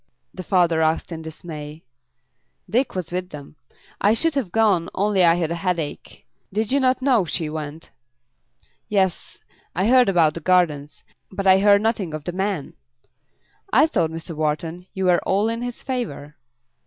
the father asked in dismay. "Dick was with them. I should have gone, only I had a headache. Did you not know she went?" "Yes; I heard about the Gardens. But I heard nothing of the man." "I thought, Mr. Wharton, you were all in his favour."